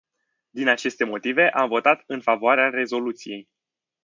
Din aceste motive, am votat în favoarea rezoluției.